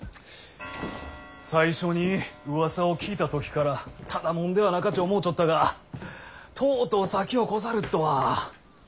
最初にうわさを聞いた時からただ者ではなかち思うちょったがとうとう先を越さるっとは。